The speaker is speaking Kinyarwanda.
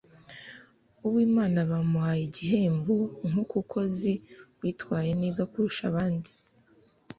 Uwimana bamuhaye igihembo nkukukozi witwaye neza kurusha abandi